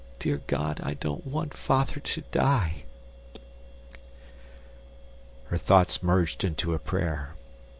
Dear God, I don't want Father to die. Her thoughts merged into a prayer.